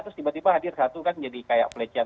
terus tiba tiba hadir satu kan jadi kayak pelecehan